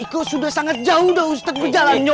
itu sudah sangat jauh dah ustadz berjalan nyuruh